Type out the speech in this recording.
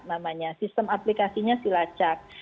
namanya sistem aplikasinya silacak